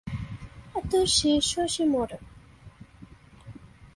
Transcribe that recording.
Atsushi Yoshimoto